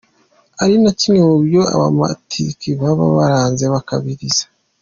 ari na kimwe mubyo abamaritiri baba baranze, bakabizira.